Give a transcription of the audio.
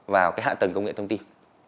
vào cái hạ tầng công nghệ thông tin